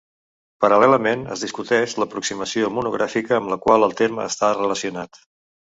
Paral·lelament, es discuteix l'aproximació monogràfica amb la qual el terme està relacionat.